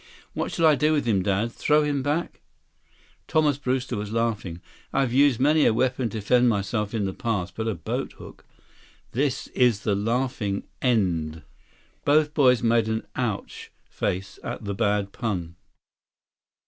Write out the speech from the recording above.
"What shall I do with him, Dad? Throw him back?" Thomas Brewster was laughing. "I've used many a weapon to defend myself in the past, but a boathook ... this is the laughing end." Both boys made an "ouch" face at the bad pun.